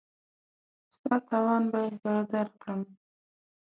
ستا تاوان به زه درکړم.